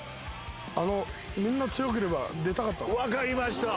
あのみんな強ければ出たかったんです分かりました